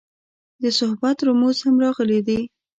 د صحبت رموز هم راغلي دي.